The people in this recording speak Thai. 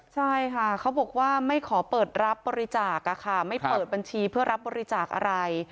ใช่ค่ะเขาบอกว่าไม่ขอเปิดรับบริจาคไม่เปิดบัญชีเพื่อรับบริจาคอะไร